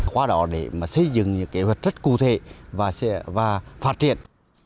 qua đó để mà xây dựng những kế hoạch rất cụ thể và phát triển